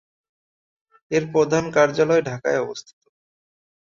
এর প্রধান কার্যালয় ঢাকায় অবস্থিত।